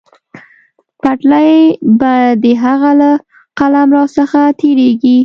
پټلۍ به د هغه له قلمرو څخه تېرېږي.